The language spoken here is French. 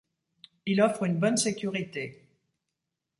Il offre une bonne sécurité.